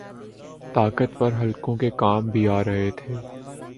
طاقتور حلقوں کے کام بھی آرہے تھے۔